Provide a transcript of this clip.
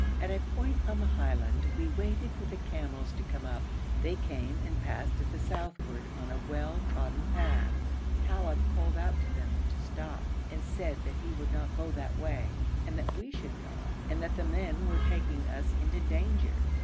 At a point on the highland we waited for the camels to come up; they came and passed to the southward on a well trodden path. Talib called out to them to stop, and said that he would not go that way, and that we should not, and that the men were taking us into danger.